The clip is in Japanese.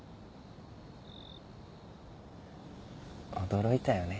驚いたよね。